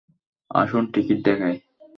আসুন, টিকিট দেখাই।